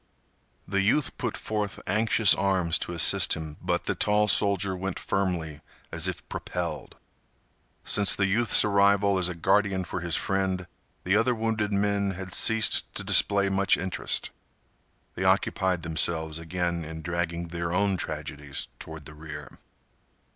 The youth put forth anxious arms to assist him, but the tall soldier went firmly as if propelled. Since the youth's arrival as a guardian for his friend, the other wounded men had ceased to display much interest. They occupied themselves again in dragging their own tragedies toward the rear.